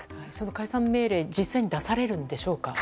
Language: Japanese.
解散命令実際に出されるんでしょうか。